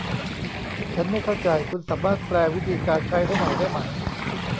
ฉันไม่เข้าใจ คุณสามารถแปลวิธีการใช้ให้หน่อยได้ไหม